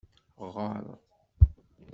Ɣeṛ.